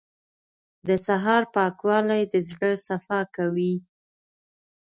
• د سهار پاکوالی د زړه صفا کوي.